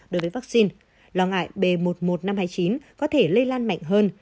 đối với vaccine lo ngại b một một năm trăm hai mươi chín có thể lây lan mạnh hơn